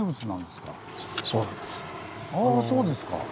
あぁそうですか。